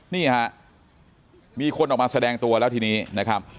นี่ฮะมีคนออกมาแสดงตัวแล้วทีนี้นะครับ